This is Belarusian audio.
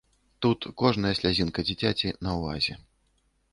Тут кожная слязінка дзіцяці на ўвазе.